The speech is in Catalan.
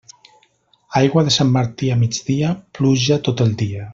Aigua de Sant Martí a migdia, pluja tot el dia.